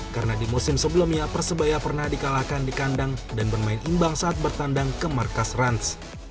karena di musim sebelumnya persebaya pernah dikalahkan di kandang dan bermain imbang saat bertandang ke markas rans